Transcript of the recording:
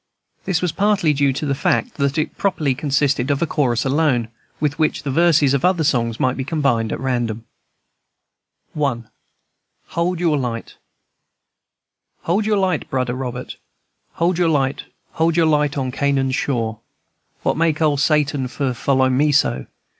This was partly due to the fact that it properly consisted of a chorus alone, with which the verses of other songs might be combined at random. I. HOLD YOUR LIGHT. "Hold your light, Brudder Robert, Hold your light, Hold your light on Canaan's shore. "What make ole Satan for follow me so?